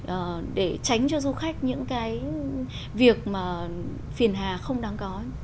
và để tránh cho du khách những cái việc mà phiền hà không đáng có